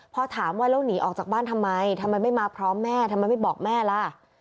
พอถามว่าแล้วหนีออกจากบ้านทำไมทำไมไม่มาพร้อมแม่ทำไมไม่บอกแม่ล่ะ